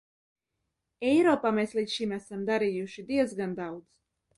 Eiropā mēs līdz šim esam darījuši diezgan daudz.